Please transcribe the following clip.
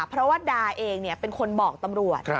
เพราะว่าดาเองเป็นคนบอกตำรวจ